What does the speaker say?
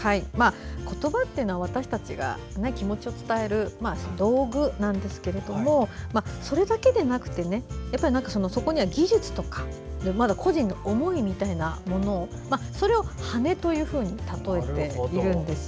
言葉っていうのは私たちが気持ちを伝える道具なんですけどそれだけでなくてそこには技術とか個人の思いみたいなものをそれを羽というふうに例えているんです。